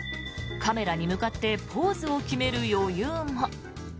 カメラに向かってポーズを決める余裕も。